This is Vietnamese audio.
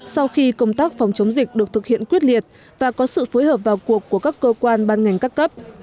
sau khi công tác phòng chống dịch được thực hiện quyết liệt và có sự phối hợp vào cuộc của các cơ quan ban ngành các cấp